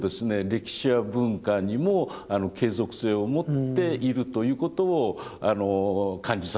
歴史や文化にも継続性を持っているということを感じさせますね。